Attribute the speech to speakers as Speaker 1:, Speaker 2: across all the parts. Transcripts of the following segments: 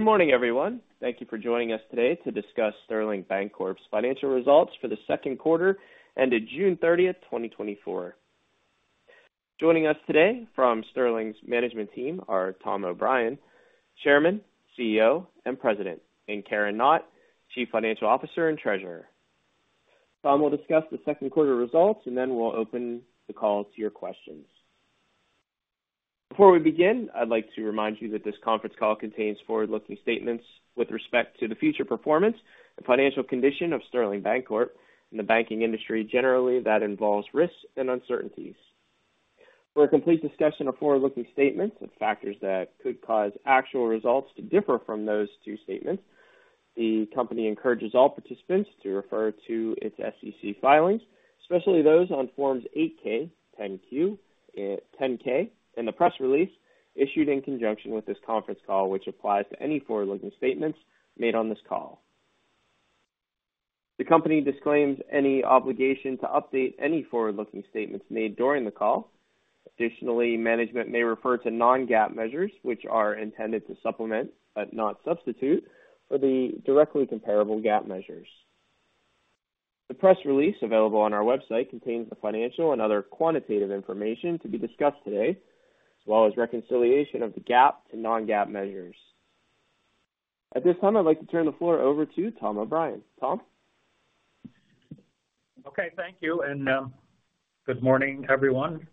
Speaker 1: Good morning, everyone. Thank you for joining us today to discuss Sterling Bancorp's financial results for the second quarter ended June 30th, 2024. Joining us today from Sterling's management team are Tom O'Brien, Chairman, CEO, and President, and Karen Knott, Chief Financial Officer and Treasurer. Tom will discuss the second quarter results, and then we'll open the call to your questions. Before we begin, I'd like to remind you that this conference call contains forward-looking statements with respect to the future performance and financial condition of Sterling Bancorp and the banking industry, generally, that involves risks and uncertainties. For a complete discussion of forward-looking statements and factors that could cause actual results to differ from those two statements, the company encourages all participants to refer to its SEC filings, especially those on Forms 8-K, 10-Q, 10-K, and the press release issued in conjunction with this conference call, which applies to any forward-looking statements made on this call. The company disclaims any obligation to update any forward-looking statements made during the call. Additionally, management may refer to non-GAAP measures, which are intended to supplement, but not substitute, for the directly comparable GAAP measures. The press release available on our website contains the financial and other quantitative information to be discussed today, as well as reconciliation of the GAAP to non-GAAP measures. At this time, I'd like to turn the floor over to Tom O'Brien. Tom?
Speaker 2: Okay, thank you. Good morning, everyone.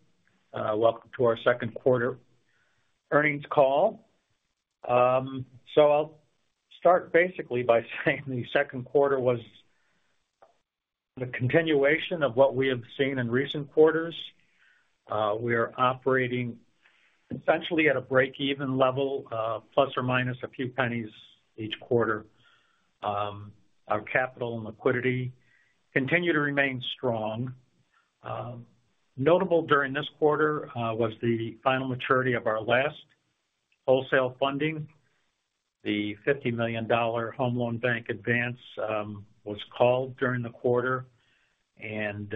Speaker 2: Welcome to our second quarter earnings call. I'll start basically by saying the second quarter was the continuation of what we have seen in recent quarters. We are operating essentially at a break-even level, plus or minus a few pennies each quarter. Our capital and liquidity continue to remain strong. Notable during this quarter was the final maturity of our last wholesale funding. The $50 million Federal Home Loan Bank advance was called during the quarter, and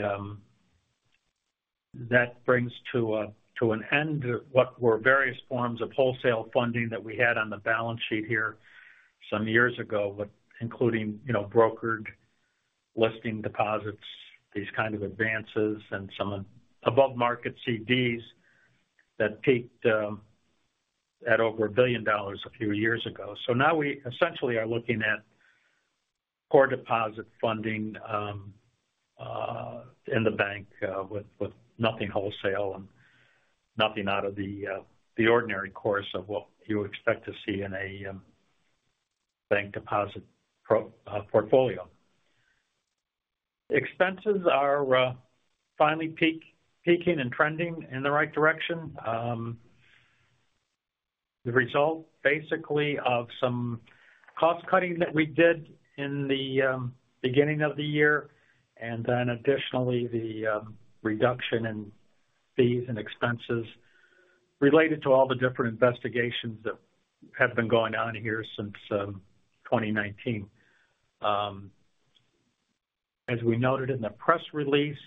Speaker 2: that brings to an end what were various forms of wholesale funding that we had on the balance sheet here some years ago, but including, you know, brokered listing deposits, these kind of advances, and some above-market CDs that peaked at over $1 billion a few years ago. So now we essentially are looking at core deposit funding in the bank with nothing wholesale and nothing out of the ordinary course of what you would expect to see in a bank deposit portfolio. Expenses are finally peaking and trending in the right direction. The result basically of some cost-cutting that we did in the beginning of the year, and then additionally, the reduction in fees and expenses related to all the different investigations that have been going on here since 2019. As we noted in the press release,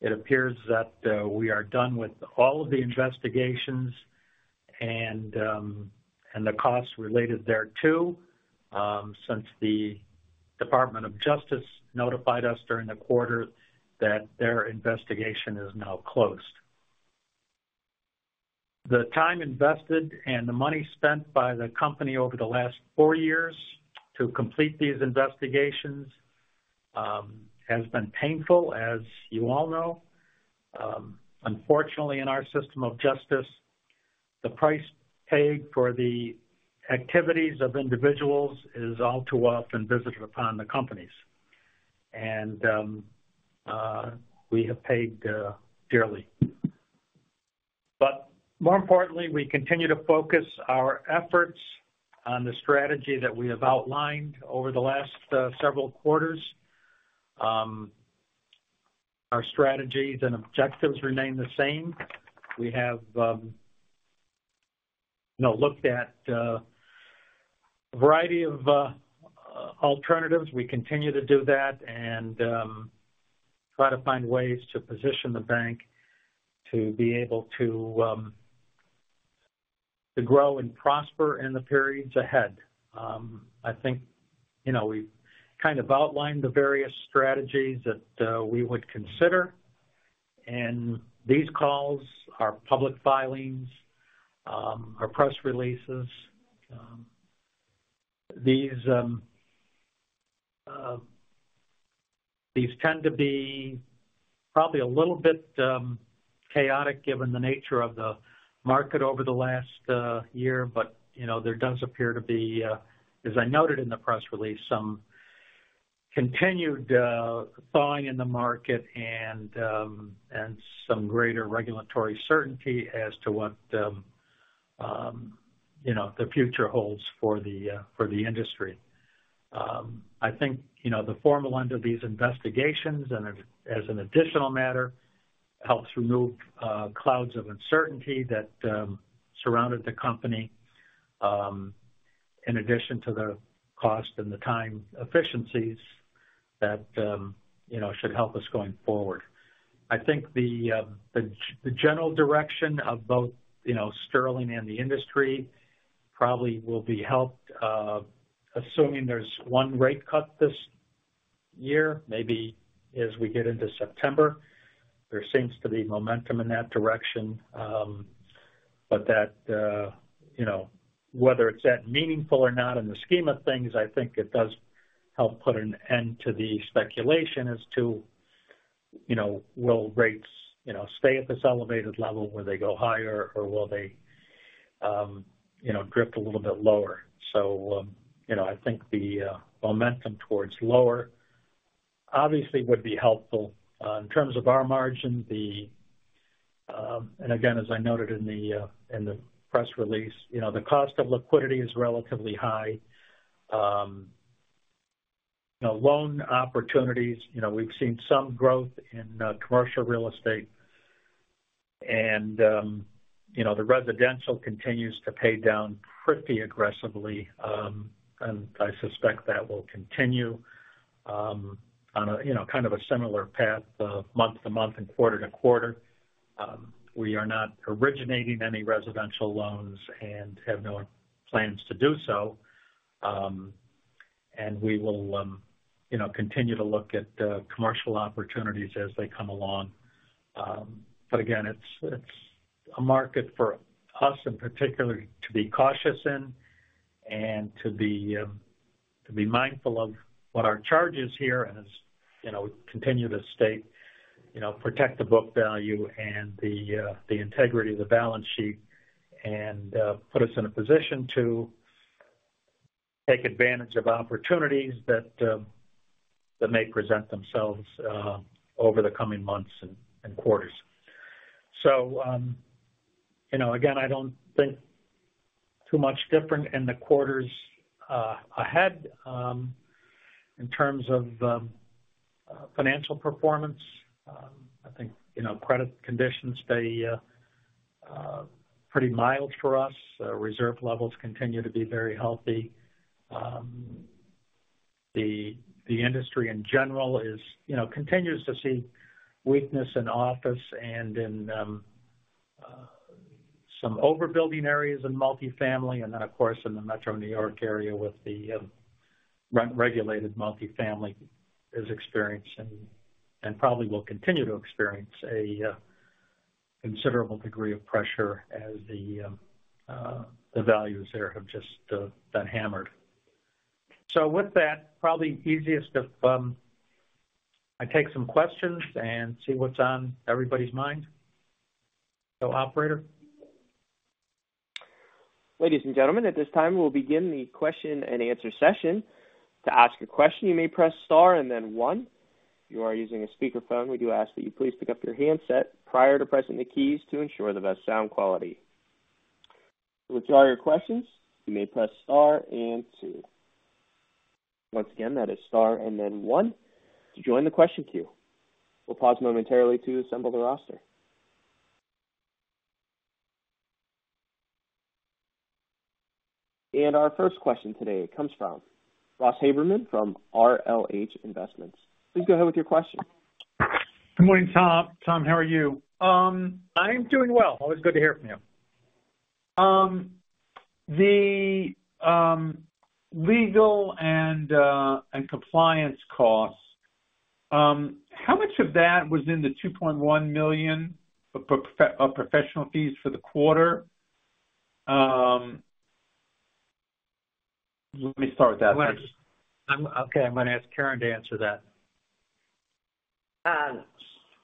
Speaker 2: it appears that we are done with all of the investigations and the costs related thereto since the Department of Justice notified us during the quarter that their investigation is now closed. The time invested and the money spent by the company over the last four years to complete these investigations has been painful, as you all know. Unfortunately, in our system of justice, the price paid for the activities of individuals is all too often visited upon the companies, and we have paid dearly. But more importantly, we continue to focus our efforts on the strategy that we have outlined over the last several quarters. Our strategies and objectives remain the same. We have, you know, looked at a variety of alternatives. We continue to do that and try to find ways to position the bank to be able to to grow and prosper in the periods ahead. I think, you know, we've kind of outlined the various strategies that we would consider, and these calls are public filings, are press releases. These tend to be probably a little bit chaotic, given the nature of the market over the last year. But, you know, there does appear to be, as I noted in the press release, some continued thawing in the market and, and some greater regulatory certainty as to what, you know, the future holds for the, for the industry. I think, you know, the formal end of these investigations and as, as an additional matter, helps remove clouds of uncertainty that surrounded the company, in addition to the cost and the time efficiencies... that, you know, should help us going forward. I think the general direction of both, you know, Sterling and the industry probably will be helped, assuming there's one rate cut this year, maybe as we get into September. There seems to be momentum in that direction, but that, you know, whether it's that meaningful or not in the scheme of things, I think it does help put an end to the speculation as to, you know, will rates, you know, stay at this elevated level, will they go higher, or will they, you know, drift a little bit lower? So, you know, I think the momentum towards lower obviously would be helpful. In terms of our margin, the, and again, as I noted in the press release, you know, the cost of liquidity is relatively high. You know, loan opportunities, you know, we've seen some growth in commercial real estate, and, you know, the residential continues to pay down pretty aggressively, and I suspect that will continue on a, you know, kind of a similar path of month to month and quarter to quarter. We are not originating any residential loans and have no plans to do so. We will, you know, continue to look at commercial opportunities as they come along. But again, it's a market for us, in particular, to be cautious in and to be mindful of what our charge is here, and as you know, we continue to state, you know, protect the book value and the integrity of the balance sheet and put us in a position to take advantage of opportunities that may present themselves over the coming months and quarters. So, you know, again, I don't think too much different in the quarters ahead in terms of financial performance. I think, you know, credit conditions stay pretty mild for us. Reserve levels continue to be very healthy. The industry in general, you know, continues to see weakness in office and in some overbuilding areas in multifamily. And then, of course, in the Metro New York area, the regulated multifamily is experiencing, and probably will continue to experience a considerable degree of pressure as the values there have just been hammered. So with that, probably easiest if I take some questions and see what's on everybody's mind. So, operator?
Speaker 1: Ladies and gentlemen, at this time, we'll begin the question-and-answer session. To ask a question, you may press star and then one. If you are using a speakerphone, we do ask that you please pick up your handset prior to pressing the keys to ensure the best sound quality. To withdraw your questions, you may press star and two. Once again, that is star and then one to join the question queue. We'll pause momentarily to assemble the roster. Our first question today comes from Ross Haberman from RLH Investments. Please go ahead with your question.
Speaker 3: Good morning, Tom. Tom, how are you?
Speaker 2: I'm doing well. Always good to hear from you.
Speaker 3: The legal and compliance costs, how much of that was in the $2.1 million for professional fees for the quarter? Let me start with that.
Speaker 2: Okay, I'm going to ask Karen to answer that.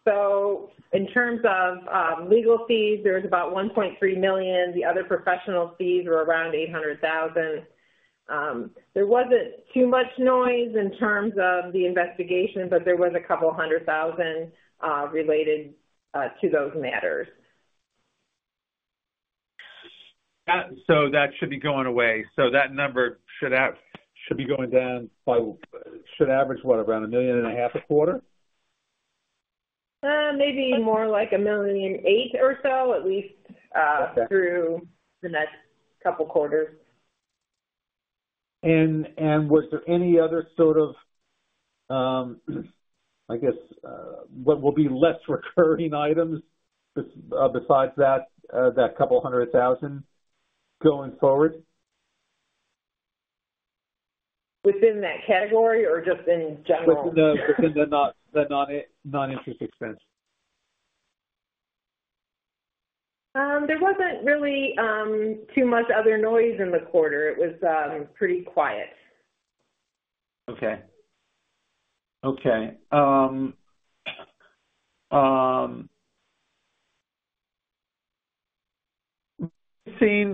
Speaker 4: So in terms of legal fees, there's about $1.3 million. The other professional fees were around $800,000. There wasn't too much noise in terms of the investigation, but there was a couple of $100,000 related to those matters.
Speaker 3: So that should be going away. So that number should be going down by, should average, what, around $1.5 million a quarter?
Speaker 4: Maybe more like $1.8 million or so, at least.
Speaker 3: Okay.
Speaker 4: Through the next couple quarters.
Speaker 3: Was there any other sort of, I guess, what will be less recurring items besides that couple of $100,000 going forward?
Speaker 4: Within that category or just in general?
Speaker 3: Within the non-interest expense.
Speaker 4: There wasn't really too much other noise in the quarter. It was pretty quiet.
Speaker 3: Okay, so,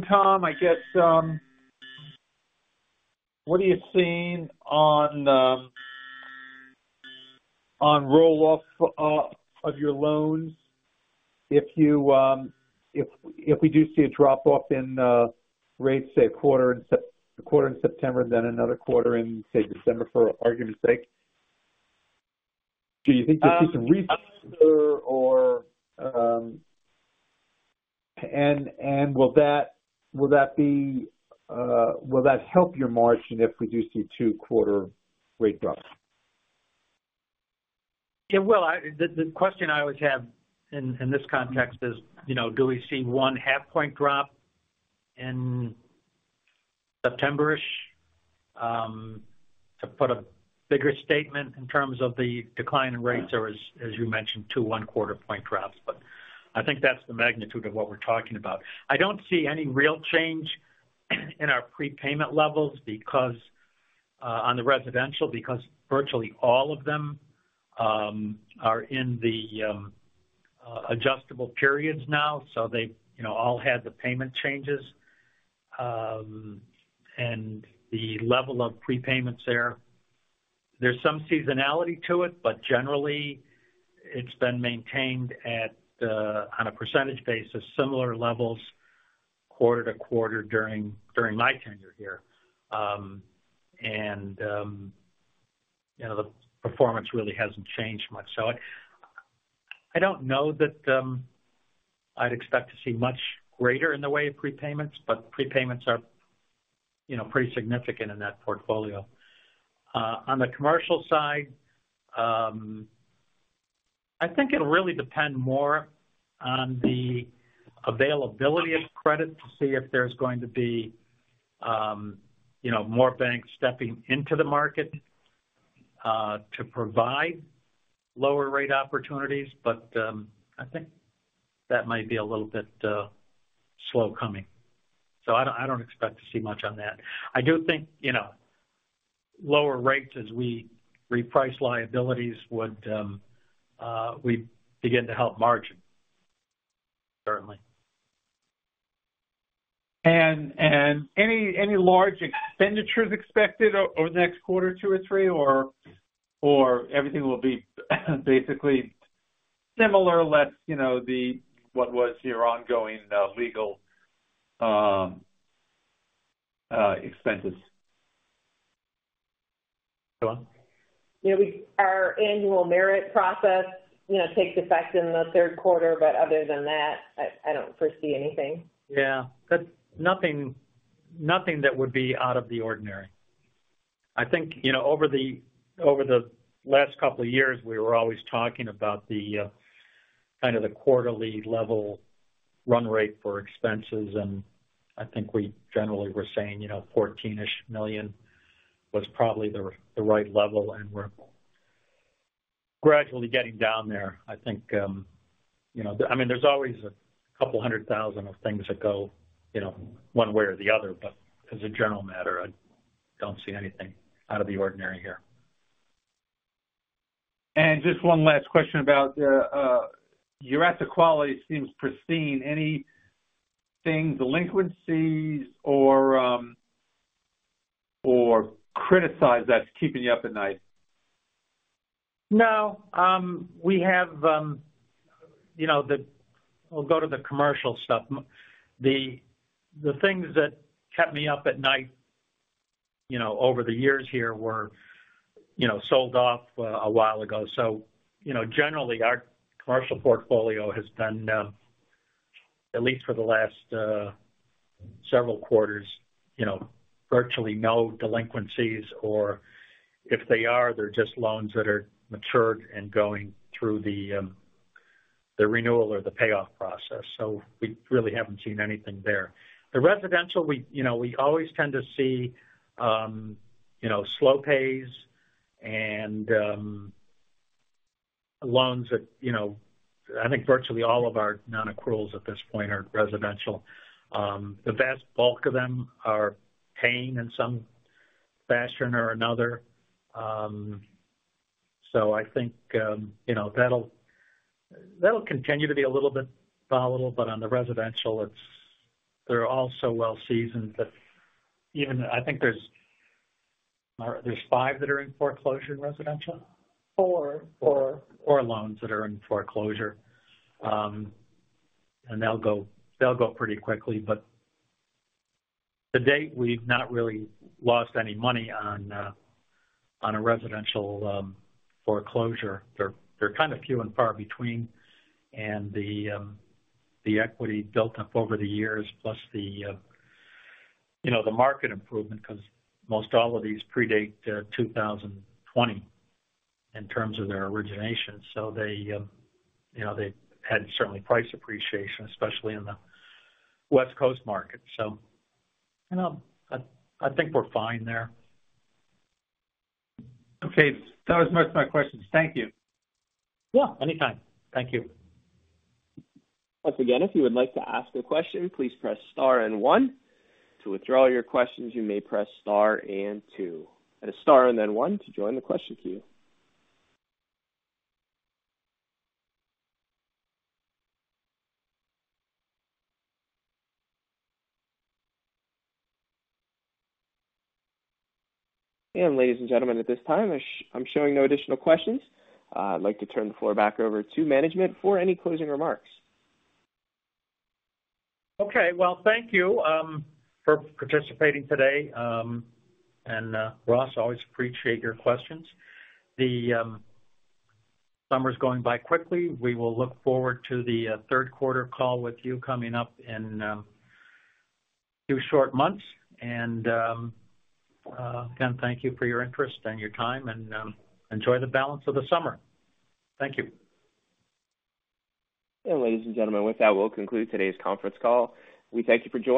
Speaker 3: Tom, I guess... What are you seeing on the, on roll-off, of your loans? If you, if we do see a drop-off in, rates, say, a quarter in September, then another quarter in, say, December, for argument's sake, do you think you'll see some refi or... And will that, will that be, will that help your margin if we do see two quarter rate drops?
Speaker 2: It will. The question I always have in this context is, you know, do we see 0.5-point drop in September-ish to put a bigger statement in terms of the decline in rates or as you mentioned, two 0.25-point drops. But I think that's the magnitude of what we're talking about. I don't see any real change in our prepayment levels because on the residential, because virtually all of them are in the adjustable periods now, so they've, you know, all had the payment changes. And the level of prepayments there, there's some seasonality to it, but generally, it's been maintained at the on a percentage basis, similar levels quarter to quarter during my tenure here. And, you know, the performance really hasn't changed much. So I don't know that I'd expect to see much greater in the way of prepayments, but prepayments are, you know, pretty significant in that portfolio. On the commercial side, I think it'll really depend more on the availability of credit to see if there's going to be, you know, more banks stepping into the market to provide lower rate opportunities. But I think that might be a little bit slow coming, so I don't expect to see much on that. I do think, you know, lower rates as we reprice liabilities would we begin to help margin, certainly.
Speaker 3: Any large expenditures expected over the next quarter, two or three, or everything will be basically similar, less, you know, the what was your ongoing legal expenses? Go on.
Speaker 4: Yeah, we, our annual merit process, you know, takes effect in the third quarter, but other than that, I, I don't foresee anything.
Speaker 2: Yeah. But nothing, nothing that would be out of the ordinary. I think, you know, over the last couple of years, we were always talking about the kind of the quarterly level run rate for expenses, and I think we generally were saying, you know, $14 million-ish was probably the right level, and we're gradually getting down there. I think, you know... I mean, there's always a couple of $100,000 of things that go, you know, one way or the other. But as a general matter, I don't see anything out of the ordinary here.
Speaker 3: Just one last question about your asset quality seems pristine. Anything, delinquencies or criticized that's keeping you up at night?
Speaker 2: No. We have, you know, the—I'll go to the commercial stuff. The things that kept me up at night, you know, over the years here were, you know, sold off a while ago. So, you know, generally, our commercial portfolio has been at least for the last several quarters, you know, virtually no delinquencies, or if they are, they're just loans that are matured and going through the renewal or the payoff process. So we really haven't seen anything there. The residential, we, you know, we always tend to see, you know, slow pays and loans that, you know, I think virtually all of our nonaccruals at this point are residential. The vast bulk of them are paying in some fashion or another. So I think, you know, that'll continue to be a little bit volatile, but on the residential, it's—they're all so well seasoned that even I think there's five that are in foreclosure in residential?
Speaker 4: Four. Four.
Speaker 2: Four loans that are in foreclosure. And they'll go, they'll go pretty quickly, but to date, we've not really lost any money on, on a residential, foreclosure. They're, they're kind of few and far between. And the, the equity built up over the years, plus the, you know, the market improvement, 'cause most all of these predate, 2020 in terms of their origination. So they, you know, they've had certainly price appreciation, especially in the West Coast market. So, you know, I, I think we're fine there.
Speaker 3: Okay. That was most of my questions. Thank you.
Speaker 2: Yeah, anytime. Thank you.
Speaker 1: Once again, if you would like to ask a question, please press star and one. To withdraw your questions, you may press star and two. And star and then one to join the question queue. And ladies and gentlemen, at this time, I'm showing no additional questions. I'd like to turn the floor back over to management for any closing remarks.
Speaker 2: Okay. Well, thank you for participating today. And, Ross, always appreciate your questions. The summer's going by quickly. We will look forward to the third quarter call with you coming up in two short months. And, again, thank you for your interest and your time, and enjoy the balance of the summer. Thank you.
Speaker 1: Ladies and gentlemen, with that, we'll conclude today's conference call. We thank you for joining-